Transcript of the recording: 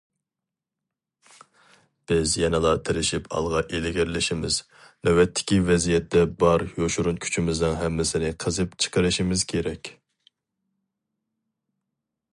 بىز يەنىلا تىرىشىپ ئالغا ئىلگىرىلىشىمىز، نۆۋەتتىكى ۋەزىيەتتە بار يوشۇرۇن كۈچىمىزنىڭ ھەممىسىنى قېزىپ چىقىشىمىز كېرەك.